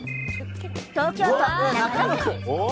東京都中野区。